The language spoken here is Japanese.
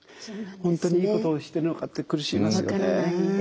本当にいいことをしてるのかって苦しみますよね。